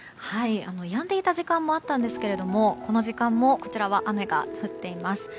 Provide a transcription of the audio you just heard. やんでいた時間もあったんですけれどもこの時間も、こちらは雨が降っています。